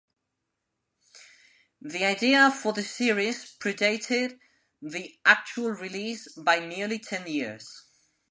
The idea for the series predated the actual release by nearly ten years.